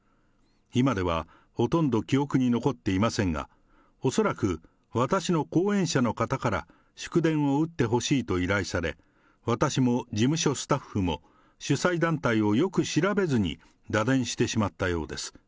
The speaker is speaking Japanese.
今では、ほとんど記憶に残っていませんが、恐らく私の後援者の方から祝電を打ってほしいと依頼され、私も事務所スタッフも、主催団体をよく調べずに打電してしまったようです。